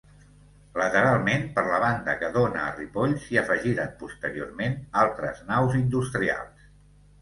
Lateralment, per la banda que dóna a Ripoll, s'hi afegiren posteriorment altres naus industrials.